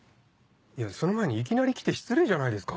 いやその前にいきなり来て失礼じゃないですか？